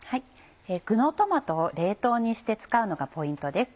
具のトマトを冷凍にして使うのがポイントです。